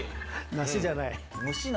梨じゃない。